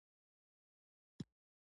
احمدشاه بابا د خلکو باور درلود.